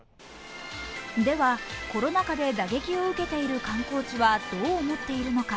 では、コロナ禍で打撃を受けている観光地はどう思っているのか。